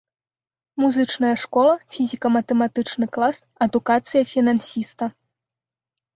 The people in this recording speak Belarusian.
Музычная школа, фізіка-матэматычны клас, адукацыя фінансіста.